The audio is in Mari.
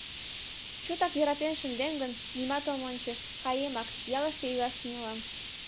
Чотак йӧратен шындем гын, нимат ом ончо, каемак, ялыште илаш тӱҥалам.